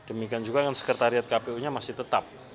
demikian juga kan sekretariat kpu nya masih tetap